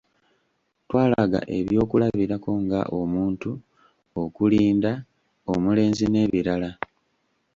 Twalaga ebyokulabirako nga omuntu, okulinda, omulenzi n'ebirala.